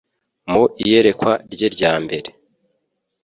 Mu iyerekwa rye rya mbere,